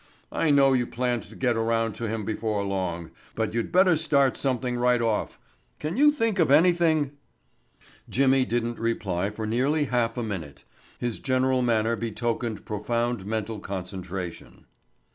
I know you planned to get around to him before long, but you'd better start something right off. Can you think of anything?" Jimmy didn't reply for nearly half a minute. His general manner betokened profound mental concentration.